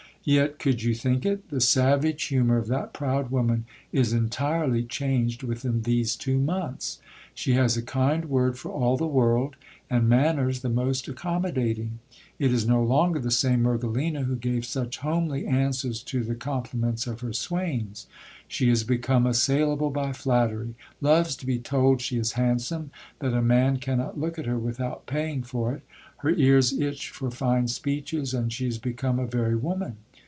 Yet, could you think it ? the savage humour of that proud woman is entirely changed within these two months. She has a kind word for all the world, and manners the most accommodating. It is no longer the same Mergelina who gave such homely answers to the compli ments of her swains : she is become assailable by flattery ; loves to be told she is handsome, that a man cannot look at her without paying for it : her ears itch for fine speeches, and she is become a very woman.